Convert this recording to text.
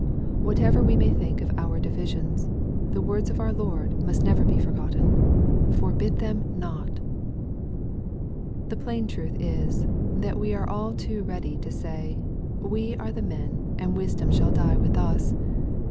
Whatever we may think of oar iivisions, the words of our Lord must never be forgot ten :" Forbid them not/' The plain truth is, that we are all too ready to say, " We are the men, and wisdom shall die with us."